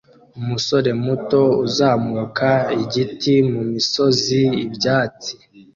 Umusore muto uzamuka igiti mumisozi ibyatsi